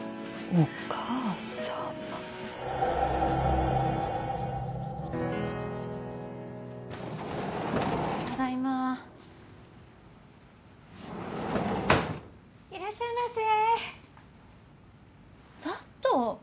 あっいらっしゃいませ。